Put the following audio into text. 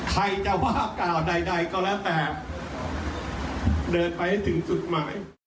ใครจะว่ากล่าวใดก็แล้วแต่เดินไปให้ถึงจุดหมาย